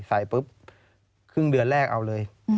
ปุ๊บครึ่งเดือนแรกเอาเลย